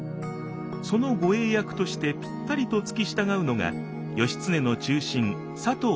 その護衛役としてぴったりと付き従うのが義経の忠臣佐藤